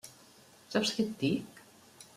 Saps què et dic?